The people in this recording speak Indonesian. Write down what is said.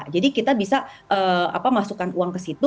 jadi kita bisa masukkan uang ke situ